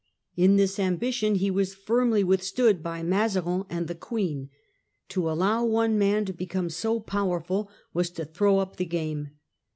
In this ambition he was firmly withstood by Mazarin and the Queen ; to allow one man to become so powerful was to throw up the game.